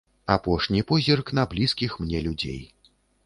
Апошні позірк на блізкіх мне людзей.